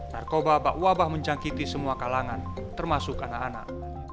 narkoba bakwabah menjangkiti semua kalangan termasuk anak anak